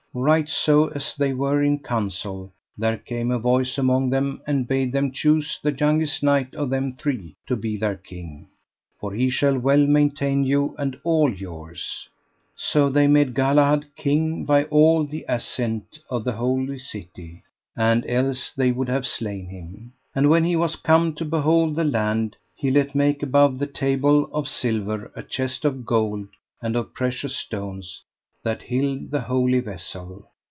Right so as they were in counsel there came a voice among them, and bade them choose the youngest knight of them three to be their king: For he shall well maintain you and all yours. So they made Galahad king by all the assent of the holy city, and else they would have slain him. And when he was come to behold the land, he let make above the table of silver a chest of gold and of precious stones, that hilled the Holy Vessel.